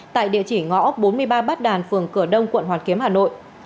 tại địa chỉ ngõ bốn mươi ba bát đàn phường cửa đông quận hoàn kiếm hà nội